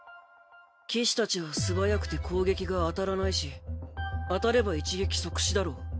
騎士たちは素早くて攻撃が当たらないし当たれば一撃即死だろう。